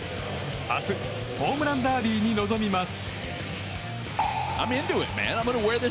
明日、ホームランダービーに臨みます。